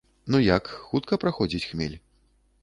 Ну як, хутка праходзіць хмель?